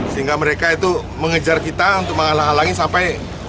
sehingga mereka itu mengejar kita untuk menghalangi sampai